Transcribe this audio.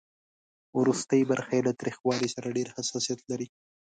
ورستۍ برخه یې له تریخوالي سره ډېر حساسیت لري.